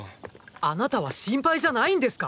あなたは心配じゃないんですか？